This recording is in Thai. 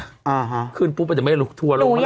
พี่กะว่าขึ้นปุ๊บจะไม่ลุกทัวร์ลงมาเลย